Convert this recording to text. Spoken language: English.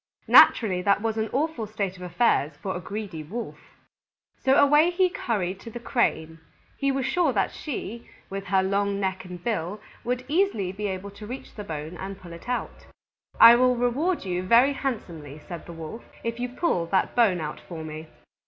Naturally that was an awful state of affairs for a greedy Wolf. So away he hurried to the Crane. He was sure that she, with her long neck and bill, would easily be able to reach the bone and pull it out. "I will reward you very handsomely," said the Wolf, "if you pull that bone out for me."